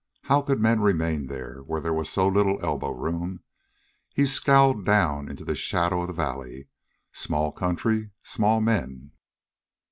How could men remain there, where there was so little elbow room? He scowled down into the shadow of the valley. Small country, small men.